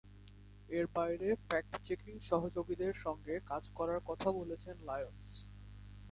এর বাইরে fact checking সহযোগীদের সঙ্গে কাজ করার কথা বলেছেন লায়ন্স।